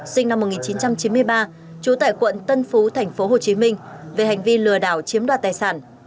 sinh năm một nghìn chín trăm chín mươi ba trú tại quận tân phú tp hcm về hành vi lừa đảo chiếm đoạt tài sản